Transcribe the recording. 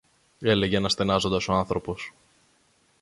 έλεγε αναστενάζοντας ο άνθρωπος.